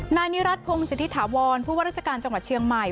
นนี่รัฐพรุงสติธาวรผู้ว่ารักษการจังหวัดเชียงใหม่